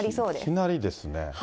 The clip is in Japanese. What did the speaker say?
いきなりですね。